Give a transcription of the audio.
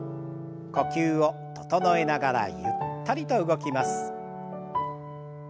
呼吸を整えながらゆったりと動きます。